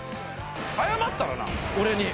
謝ったらな俺に。